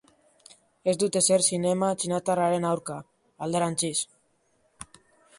Ez dut ezer zinema txinatarraren aurka, alderantziz.